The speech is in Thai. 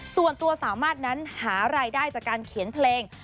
ส่วนตัวสามารถนั้นหารายได้จากการเขียนเพลง